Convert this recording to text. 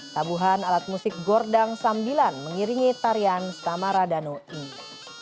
tabuhan alat musik gordang sambilan mengiringi tarian samaradano ini